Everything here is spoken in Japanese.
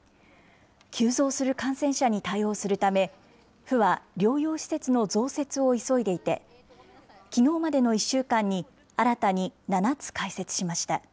急増する感染者に対応するため、府は療養施設の増設を急いでいて、きのうまでの１週間に、新たに７つ開設しました。